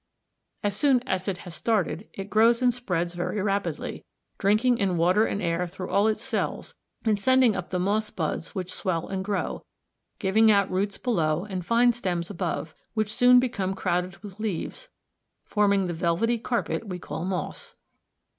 As soon as it has started it grows and spreads very rapidly, drinking in water and air through all its cells and sending up the moss buds which swell and grow, giving out roots below and fine stems above, which soon become crowded with leaves, forming the velvety carpet we call moss.